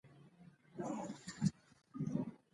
دا لارښوونه د منځ لاره بيانولی شو.